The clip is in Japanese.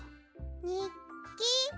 にっき？